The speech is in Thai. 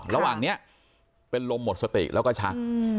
ระหว่างนี้เป็นลมหมดสติแล้วก็ชัก